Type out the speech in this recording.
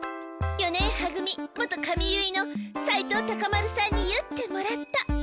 四年は組元髪結いの斉藤タカ丸さんに結ってもらった。